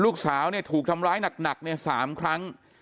ลูกสาวเนี่ยถูกทำร้ายหนักเนี่ย๓ครั้ง